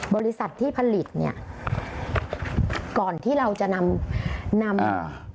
บริษัทที่ผลิตเนี้ยก่อนที่เราจะนำนำอ่า